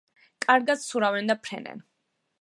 კარგად ცურავენ და ფრენენ.